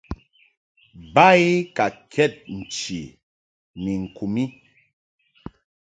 Ba I ka kɛd nchi ni ŋku mi.